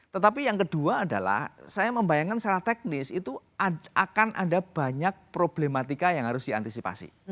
tetapi yang kedua adalah saya membayangkan secara teknis itu akan ada banyak problematika yang harus diantisipasi